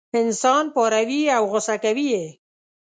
انسان پاروي او غوسه کوي یې.